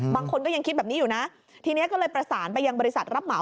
บางคนก็ยังคิดแบบนี้อยู่นะทีนี้ก็เลยประสานไปยังบริษัทรับเหมา